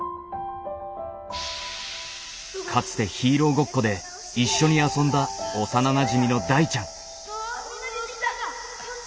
かつてヒーローごっこで一緒に遊んだ幼なじみの大ちゃん。